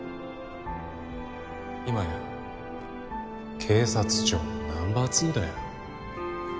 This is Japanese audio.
今や警察庁のナンバー２だよ